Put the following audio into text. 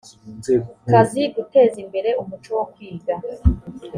kazi guteza imbere umuco wo kwiga